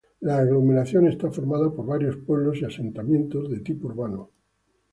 La aglomeración está formada por varios pueblos y asentamientos de tipo urbano.